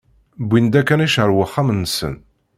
Wwin-d akanic ar wexxam-nsen.